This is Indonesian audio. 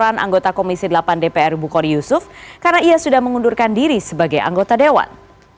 laporan anggota komisi delapan dpr bukhari yusuf karena ia sudah mengundurkan diri sebagai anggota dewan